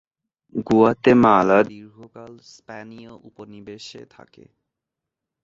Guatemala দীর্ঘকাল স্প্যানীয় উপনিবেশে থাকে।